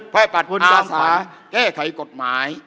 พยาบัตรอาสาแก้ไขกฎหมาย